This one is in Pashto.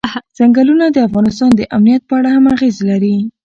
ځنګلونه د افغانستان د امنیت په اړه هم اغېز لري.